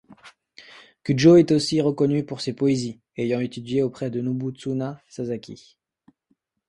Kujō est aussi reconnue pour ses poésie, ayant étudié auprès de Nobutsuna Sasaki.